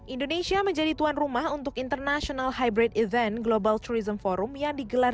indonesia menjadi tuan rumah untuk international hybrid event global tourism forum yang digelar